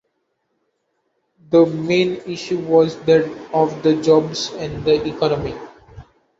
The main issue was that of the jobs and the economy.